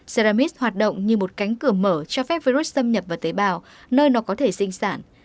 xeramis hoạt động như một cánh cửa mở cho phép virus xâm nhập vào tế bào nơi nó có thể sinh sản